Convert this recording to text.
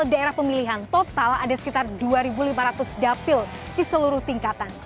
daerah pemilihan total ada sekitar dua lima ratus dapil di seluruh tingkatan